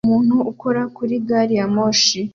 Umuntu ukora kuri gari ya moshi